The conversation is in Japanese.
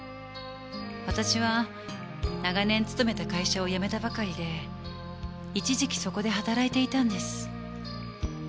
私は長年勤めた会社を辞めたばかりで一時期そこで働いていたんです。